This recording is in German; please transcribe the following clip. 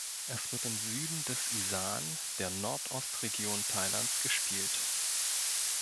Es wird im Süden des Isan, der Nordostregion Thailands gespielt.